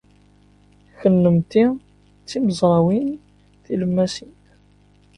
Kennemti d timezrawin tilemmasin.